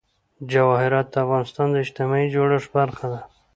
جواهرات د افغانستان د اجتماعي جوړښت برخه ده.